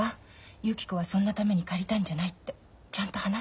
ゆき子はそんなために借りたんじゃないってちゃんと話す。